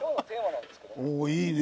おおいいね。